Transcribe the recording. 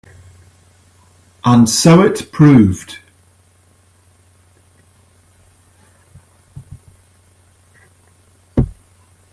And so it proved.